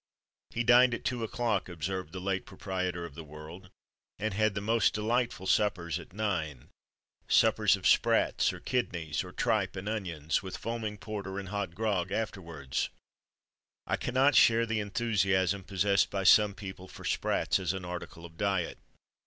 "He dined at two o'clock," observed the late proprietor of the World, "and had the most delightful suppers at nine; suppers of sprats, or kidneys, or tripe and onions; with foaming porter and hot grog afterwards." I cannot share the enthusiasm possessed by some people for SPRATS, as an article of diet.